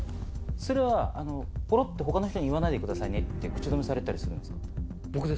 それはポロっと他の人に言わないでくださいねって口止めされてたりするんですか？